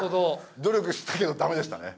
努力したけどダメでしたね。